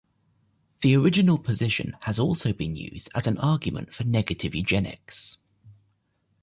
The original position has also been used as an argument for negative eugenics.